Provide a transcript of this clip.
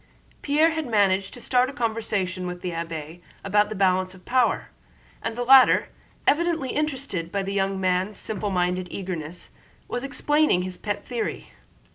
Pierre had managed to start a conversation with the abbé about the balance of power, and the latter, evidently interested by the young man's simple minded eagerness, was explaining his pet theory.